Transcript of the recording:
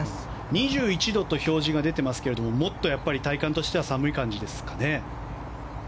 ２１度と表示が出ていますがもっと体感としては寒い感じですかね。